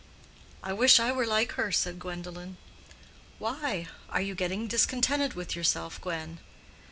"I wish I were like her," said Gwendolen. "Why? Are you getting discontented with yourself, Gwen?"